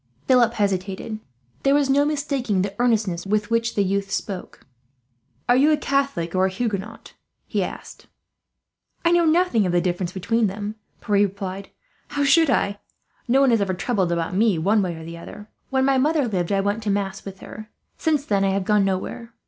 Philip hesitated. There was no mistaking the earnestness with which the youth spoke. "Are you a Catholic or a Huguenot?" he asked. "I know nothing of the difference between them," Pierre replied. "How should I? No one has ever troubled about me, one way or the other. When my mother lived I went to Mass with her; since then I have gone nowhere.